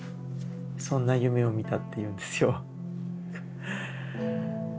そんな夢を見たって言うんですよ。